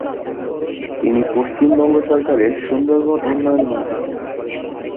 তিনি পশ্চিমবঙ্গ সরকারের সুন্দরবন উন্নয়ন মন্ত্রী ছিলেন।